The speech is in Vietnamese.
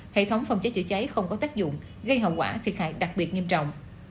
hệ thống phòng cháy chữa cháy không có tác dụng gây hậu quả thiệt hại đặc biệt nghiêm trọng